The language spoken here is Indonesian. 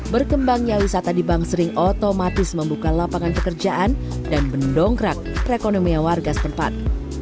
berkembangnya wisata di bangsering otomatis membuka lapangan pekerjaan dan mendongkrak perekonomian warga setempat